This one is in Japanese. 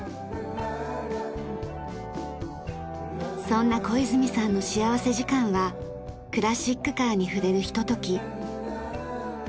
そんな小泉さんの幸福時間はクラシックカーに触れるひととき。